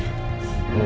gak lemah sama dia